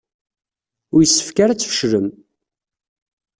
Ur yessefk ara ad tfeclem.